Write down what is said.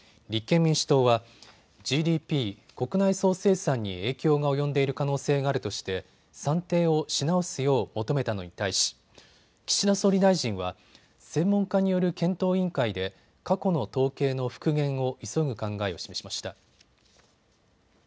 立憲民主党はＧＤＰ・国内総生産に影響が及んでいる可能性があるとして算定をし直すよう求めたのに対し岸田総理大臣は専門家による検討委員会で過去の統計の復元を急ぐ考えを示しました。